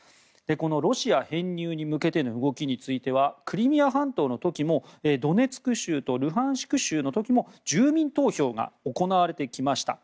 このロシア編入に向けての動きについてはクリミア半島の時もドネツク州とルハンシク州の時も住民投票が行われてきました。